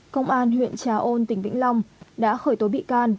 công an huyện trà ôn tỉnh vĩnh long đã khởi tố bị can